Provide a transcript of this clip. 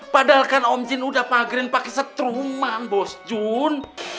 padahal kan om jin udah pagarin pakai setruman bos jun